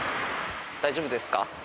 大丈夫ですか？